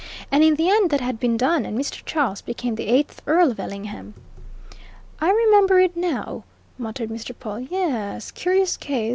And in the end that had been done, and Mr. Charles became the eighth Earl of Ellingham." "I remember it now," muttered Mr. Pawle. "Yes curious case.